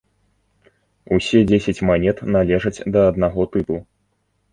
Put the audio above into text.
Усе дзесяць манет належаць да аднаго тыпу.